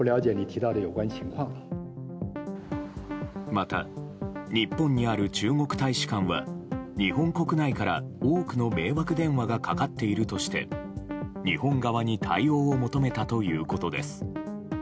また日本にある中国大使館は日本国内から多くの迷惑電話がかかっているとして、日本側に対応を求めたということです。